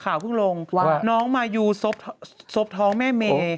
ข่าวเพิ่งลงน้องมาอยู่ซบท้องแม่เม